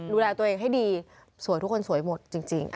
ดูแลตัวเองให้ดีสวยทุกคนสวยหมดจริง